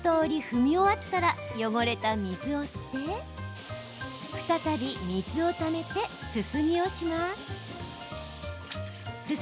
踏み終わったら汚れた水を捨て再び水をためて、すすぎをします。